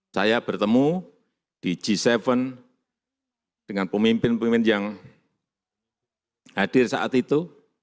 saya bertemu di g tujuh dengan pemimpin pemimpin yang hadir saat itu